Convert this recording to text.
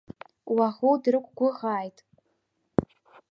Уаӷоу дрықәгәыӷааит.